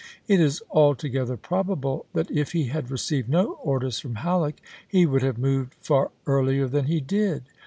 It is altogether probable that if he had received no orders from Halleck he would have moved far earlier than he did.